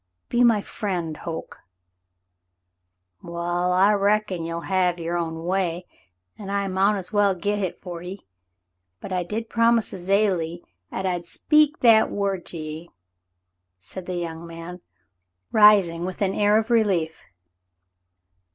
Be my friend, Hoke.'* *'Waal, I reckon you'll have yer own way, an' I mount as well git hit fer ye, but I did promise Azalie 'at I'd speak that word to ye," said the young man, rising with an air of relief.